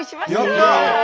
やった！